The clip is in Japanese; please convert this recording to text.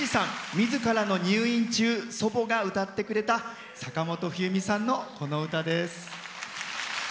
みずからの入院中祖母が歌ってくれた坂本冬美さんのこの歌です。